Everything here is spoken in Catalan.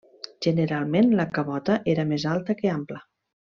Generalment la cabota era més alta que ampla.